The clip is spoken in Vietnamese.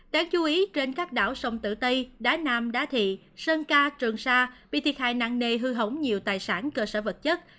đáng chú ý trên các đảo sông tử tây đá nam đá thị sơn ca trường sa bị thiệt hại nặng nề hư hỏng nhiều tài sản cơ sở vật chất